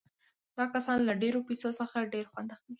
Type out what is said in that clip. دا کسان له ډېرو پیسو څخه ډېر خوند اخلي